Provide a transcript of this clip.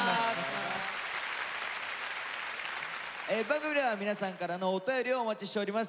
番組では皆さんからのお便りをお待ちしております。